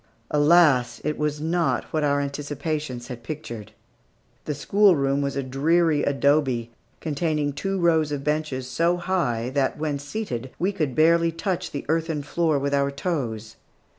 Alas! it was not what our anticipations had pictured. The schoolroom was a dreary adobe, containing two rows of benches so high that, when seated, we could barely touch the earthen floor with our toes.